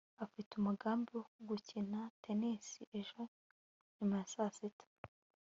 afite umugambi wo gukina tennis ejo nyuma ya saa sita